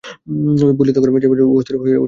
বলিয়া তখনই যাইবার জন্য অস্থির হইয়া উঠিল।